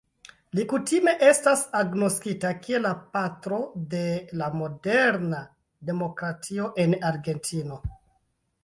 Li kutime estas agnoskita kiel "la patro de la moderna demokratio en Argentino".